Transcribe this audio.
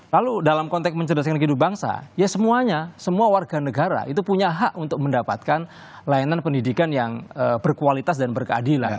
lalu dalam konteks mencerdaskan kehidupan bangsa ya semuanya semua warga negara itu punya hak untuk mendapatkan layanan pendidikan yang berkualitas dan berkeadilan